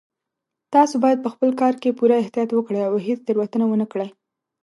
تاسو باید په خپل کار کې پوره احتیاط وکړئ او هیڅ تېروتنه ونه کړئ